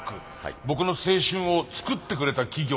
僕の青春を作ってくれた企業たち。